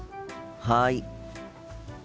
はい。